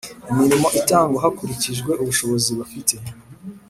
imirimo itangwa hakurikijwe ubushobozi bafite.